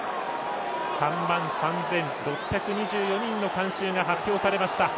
３万３６２４人の観衆が発表されました。